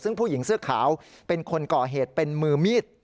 ซึ่งผู้หญิงเสื้อขาวเป็นคนก่อเหตุเป็นมือมีด